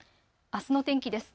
あすの天気です。